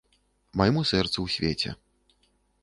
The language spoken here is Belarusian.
Майму сэрцу ў свеце.